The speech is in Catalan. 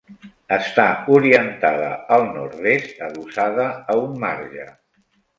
Està orientada al nord-est, adossada a un marge.